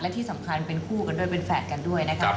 และที่สำคัญเป็นคู่กันด้วยเป็นแฝดกันด้วยนะครับ